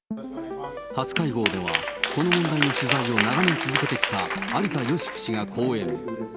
初会合では、この問題の取材を長年続けてきた有田芳生氏が講演。